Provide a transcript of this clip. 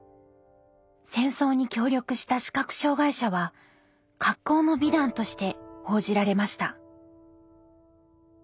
戦争に協力した視覚障害者は格好の美談として報じられました。